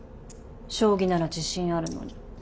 将棋なら自信あるのに。